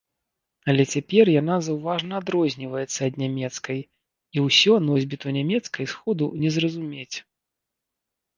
Але цяпер яна заўважна адрозніваецца ад нямецкай і ўсё носьбіту нямецкай сходу не зразумець.